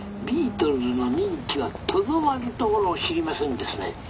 ビートルズの人気はとどまるところを知りませんですね。